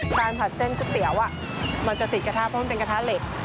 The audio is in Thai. ผัดเส้นก๋วยเตี๋ยวมันจะติดกระทะเพราะมันเป็นกระทะเหล็ก